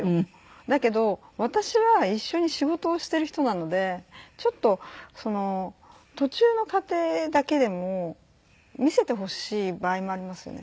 だけど私は一緒に仕事をしてる人なのでちょっとその途中の過程だけでも見せてほしい場合もありますよね。